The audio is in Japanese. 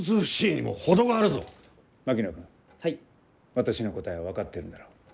私の答えは分かってるんだろう？